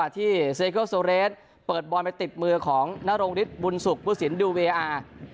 ที่เซเกิลโซเรสเปิดบอลไปติดมือของนรงฤทธิบุญสุขผู้สินดูเวอาร์